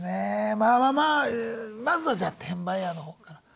まあまあまあまずはじゃ「転売ヤー」の方から。